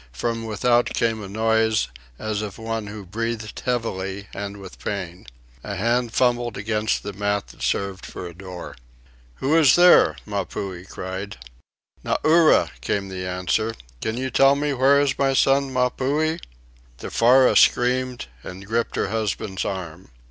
From without came a noise, as of one who breathed heavily and with pain. A hand fumbled against the mat that served for a door. "Who is there?" Mapuhi cried. "Nauri," came the answer. "Can you tell me where is my son, Mapuhi?" Tefara screamed and gripped her husband's arm.